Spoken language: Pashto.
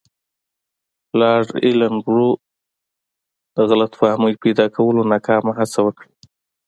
لارډ ایلن برو د غلط فهمۍ پیدا کولو ناکامه هڅه وکړه.